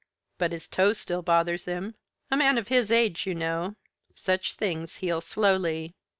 "But his toe still bothers him. A man of his age, you know. Such things heal slowly."